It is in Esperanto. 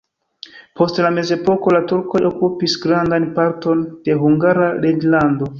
Post la mezepoko la turkoj okupis grandan parton de Hungara reĝlando.